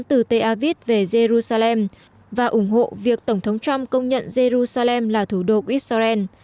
từ tel aviv về jerusalem và ủng hộ việc tổng thống trump công nhận jerusalem là thủ đô israel